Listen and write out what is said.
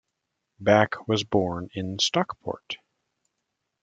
Back was born in Stockport.